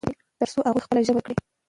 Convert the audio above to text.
ترڅو هغوی خپله ژبه زده کړي.